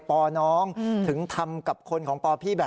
ปน้องถึงทำกับคนของ